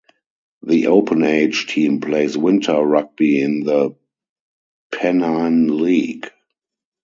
The Open Age team plays winter rugby in the Pennine League.